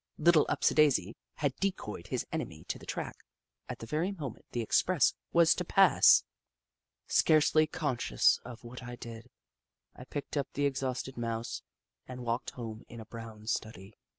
Little Upsidaisi had decoyed his enemy to the track, at the very moment the express was to pass ! Scarcely conscious of what I did, I picked up the exhausted Mouse and walked home in a brown study.